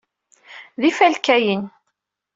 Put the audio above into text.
D ifalkayen.